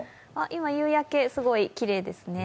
今、夕焼け、すごいきれいですね。